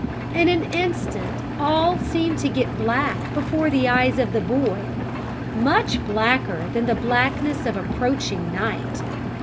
In an instant all seemed to get black before the eyes of the boy much blacker than the blackness of approaching night.